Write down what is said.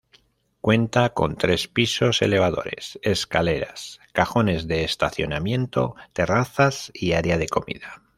Cuenta con tres pisos, elevadores, escaleras, cajones de estacionamiento, terrazas y área de comida.